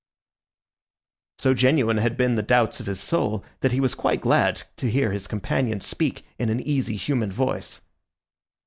So genuine had been the doubts of his soul, that he was quite glad to hear his companion speak in an easy, human voice.